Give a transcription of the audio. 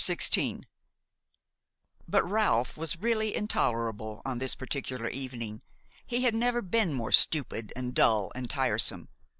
XVI But Ralph was really intolerable on this particular evening; he had never been more stupid and dull and tiresome.